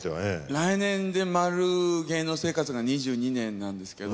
来年でまる芸能生活が２２年なんですけど。